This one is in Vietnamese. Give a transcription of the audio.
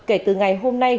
kể từ ngày hôm nay